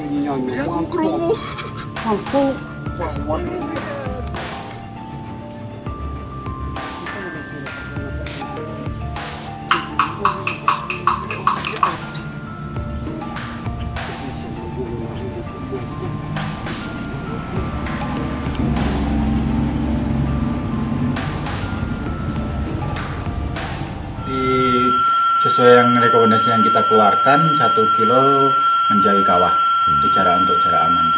sesuai rekomendasi yang kita keluarkan satu kilo menjadi kawah untuk cara aman